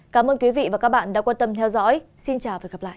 cảm ơn quý vị và các bạn đã quan tâm theo dõi xin chào và hẹn gặp lại